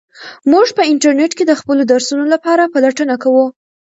موږ په انټرنیټ کې د خپلو درسونو لپاره پلټنه کوو.